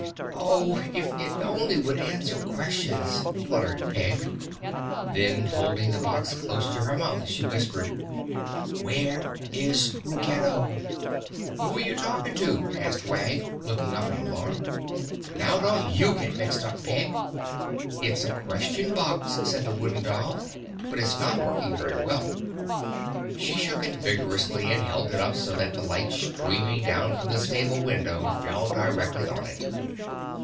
"Oh, if it only would answer questions!" fluttered Peg. Then, holding the box close to her mouth, she whispered, "Where is Ruggedo?" "Who are you talking to?" asked Wag, looking up in alarm. "Now don't you get mixed up, Peg!" [Illustration: (unlabelled)] "It's a Question Box," said the Wooden Doll, "but it's not working very well." She shook it vigorously and held it up so that the light streaming down from the stable window fell directly on it.